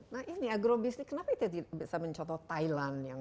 nah ini agrobisnya kenapa kita bisa mencontoh thailand yang